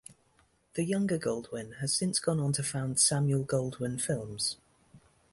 The younger Goldwyn has since gone on to found Samuel Goldwyn Films.